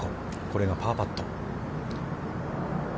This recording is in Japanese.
これがパーパット。